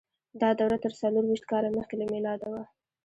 دا دوره تر څلور ویشت کاله مخکې له میلاده وه.